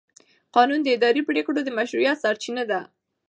قانون د اداري پرېکړو د مشروعیت سرچینه ده.